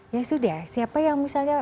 ya sudah siapa yang misalnya